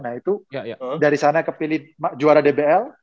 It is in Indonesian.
nah itu dari sana kepilih juara dbl